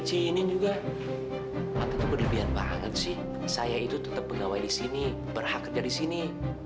diinin juga aku berlebihan banget sih saya itu tetap pengawai di sini berhak kerja di sini